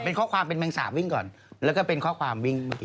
เป็นข้อความเป็นแมงสาบวิ่งก่อนแล้วก็เป็นข้อความวิ่งเมื่อกี้